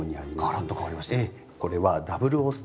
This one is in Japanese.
がらっと変わりました。